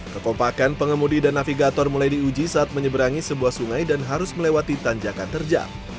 kekompakan pengemudi dan navigator mulai diuji saat menyeberangi sebuah sungai dan harus melewati tanjakan terjang